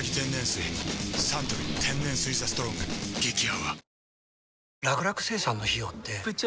サントリー天然水「ＴＨＥＳＴＲＯＮＧ」激泡